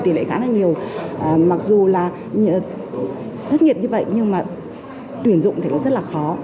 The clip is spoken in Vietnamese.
tỷ lệ khá là nhiều mặc dù là thất nghiệp như vậy nhưng mà tuyển dụng thì cũng rất là khó